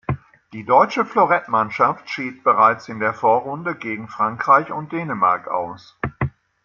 Die deutsche Florettmannschaft schied bereits in der Vorrunde gegen Frankreich und Dänemark aus.